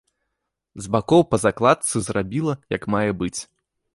З бакоў па закладцы зрабіла, як мае быць.